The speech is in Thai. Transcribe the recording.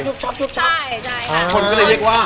คนก็ก็เลยเรียกว่า